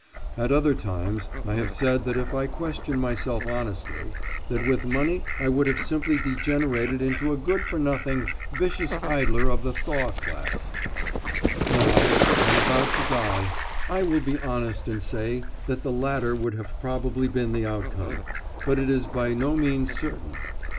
At other times I have said that if I question myself honestly that with money I would have simply degenerated into a good for nothing vicious idler of the Thaw class. Now, when about to die, I will be honest and say that the latter would have probably been the outcome, but it is by no means certain.